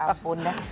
suruh nyangin aja deh